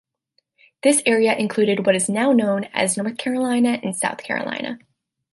This area included what is now known as North Carolina and South Carolina.